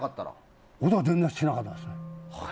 音は全然しなかったです。